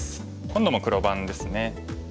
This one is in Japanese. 今度も黒番ですね。